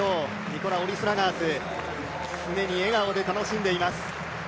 ニコラ・オリスラガース常に笑顔で楽しんでいます。